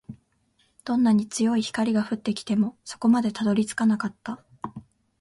どんなに強い光が降ってきても、底までたどり着かなかった